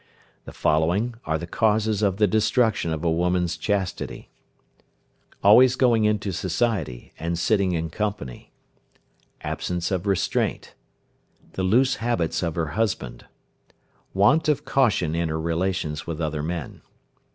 The following are the causes of the destruction of a woman's chastity: Always going into society, and sitting in company. Absence of restraint. The loose habits of her husband. Want of caution in her relations with other men.